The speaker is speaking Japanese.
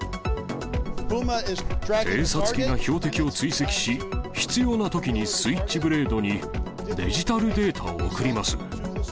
偵察機が標的を追跡し、必要なときにスイッチブレードにデジタルデータを送ります。